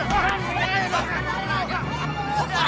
jangan jual keponakan gua